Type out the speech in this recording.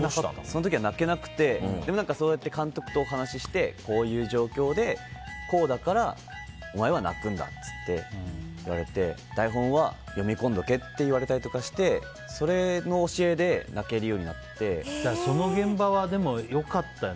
その時は泣けなくて監督とお話ししてこういう状況でこうだからお前は泣くんだって言われて台本は読み込んでおけとかって言われたりしてその現場はでも、良かったね。